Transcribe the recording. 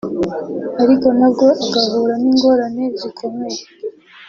ariko nabwo agahura n’ingorane zikomeye